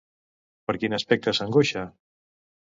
Per quin aspecte s'angoixa?